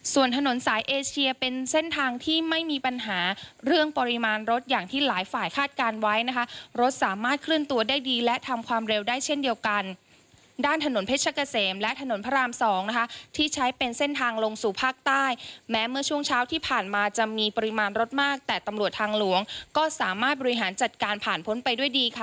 ส่วนถนนสายเอเชียเป็นเส้นทางที่ไม่มีปัญหาเรื่องปริมาณรถอย่างที่หลายฝ่ายคาดการณ์ไว้นะคะรถสามารถเคลื่อนตัวได้ดีและทำความเร็วได้เช่นเดียวกันด้านถนนเพชรกะเสมและถนนพระรามสองนะคะที่ใช้เป็นเส้นทางลงสู่ภาคใต้แม้เมื่อช่วงเช้าที่ผ่านมาจะมีปริมาณรถมากแต่ตำรวจทางหลวงก็สามารถบริหารจัดการผ่านพ้นไปด้วยดีค่ะ